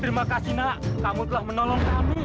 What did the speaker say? terima kasih nak kamu telah menolong kami